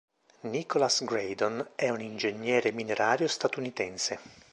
Nicholas Graydon è un ingegnere minerario statunitense.